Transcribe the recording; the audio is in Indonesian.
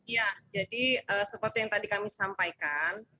ya jadi seperti yang tadi kami sampaikan